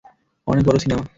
অনেক বড় সিনেমা।